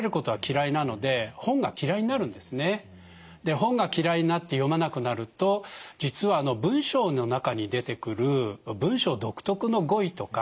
本が嫌いになって読まなくなると実は文章の中に出てくる文章独特の語彙とか漢字